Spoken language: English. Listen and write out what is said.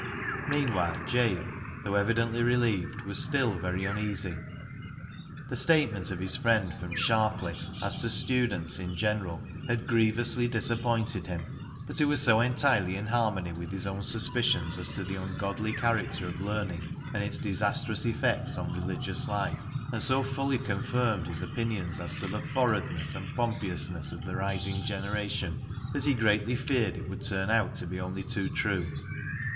Meanwhile Jabe, though evidently relieved, was still very uneasy. The statement of his friend from Sharpley as to students in general had grievously disappointed him, but it was so entirely in harmony with his own suspicions as to the ungodly character of learning and its disastrous effects on religious life, and so fully confirmed his opinions as to the " forradness " and " pompiousness " of the rising generation, that he greatly feared it would turn out to be only too true.